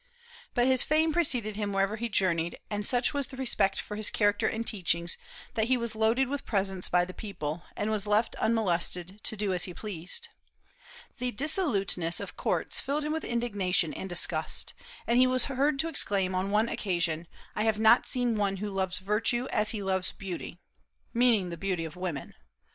But his fame preceded him wherever he journeyed, and such was the respect for his character and teachings that he was loaded with presents by the people, and was left unmolested to do as he pleased. The dissoluteness of courts filled him with indignation and disgust; and he was heard to exclaim on one occasion, "I have not seen one who loves virtue as he loves beauty," meaning the beauty of women.